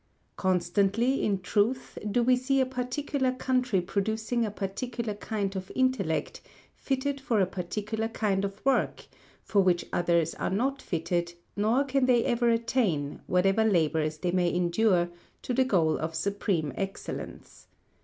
Constantly, in truth, do we see a particular country producing a particular kind of intellect fitted for a particular kind of work, for which others are not fitted, nor can they ever attain, whatever labours they may endure, to the goal of supreme excellence.